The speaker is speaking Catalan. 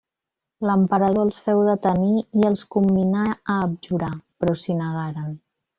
L'emperador els féu detenir i els comminà a abjurar, però s'hi negaren.